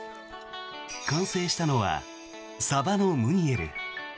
完成したのは、サバのムニエル。